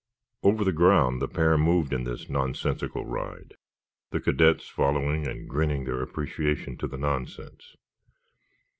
Over the ground the pair moved in this nonsensical ride, the cadets following and grinning their appreciation of the nonsense.